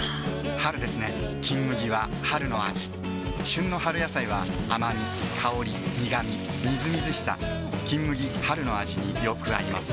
春ですね「金麦」は春の味旬の春野菜は甘み香り苦みみずみずしさ「金麦」春の味によく合います